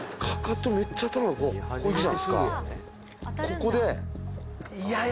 ここで。